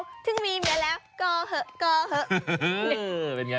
ถึงมีเมียแล้วก็เหอะก็เหอะ